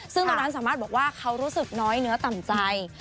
ซึ่งตอนนั้นสามารถบอกว่าเขารู้สึกน้อยเนื้อต่ำใจ